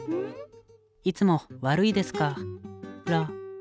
いつも悪いですから。